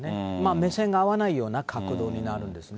目線が合わないような角度になるんですね。